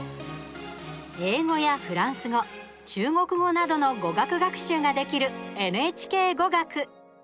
英語やフランス語中国語などの語学学習ができる「ＮＨＫゴガク」。